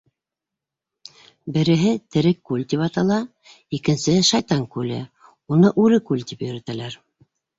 Береһе Тере күл тип атала, икенсеһе — Шайтан күле, уны үле күл тип йөрөтәләр.